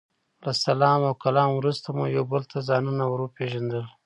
له سلام او کلام وروسته مو یو بل ته ځانونه ور وپېژندل.